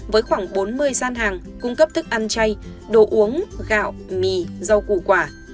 với khoảng bốn mươi gian hàng cung cấp thức ăn chay đồ uống gạo mì rau củ quả